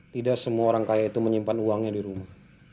tidak semua orang kaya itu menyimpan uangnya di rumah